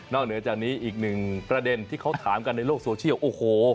เหนือจากนี้อีกหนึ่งประเด็นที่เขาถามกันในโลกโซเชียลโอ้โห